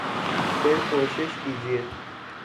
پھر کوشش کیجئے